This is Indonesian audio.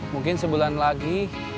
mungkin sebulan lagi